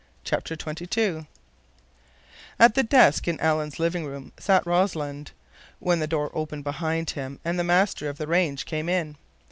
CHAPTER XXII At the desk in Alan's living room sat Rossland, when the door opened behind him and the master of the range came in.